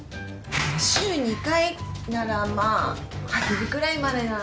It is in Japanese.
週２回ならまあ８時ぐらいまでなら大丈夫。